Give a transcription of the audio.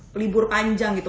mereka bisa bekerumun